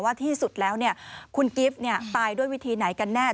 ว่าที่สุดแล้วเนี่ยคุณกิฟต์เนี่ยตายด้วยวิธีไหนกันแน่